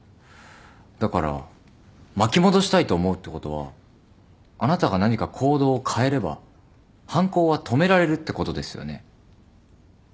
だから巻き戻したいと思うってことはあなたが何か行動を変えれば犯行は止められるってことですよね？